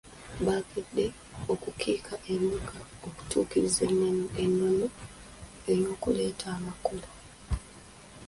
Bakedde okukiika Embuga okutuukiriza ennono y’okuleeta Amakula.